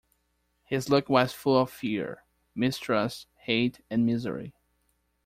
His look was full of fear, mistrust, hate, and misery.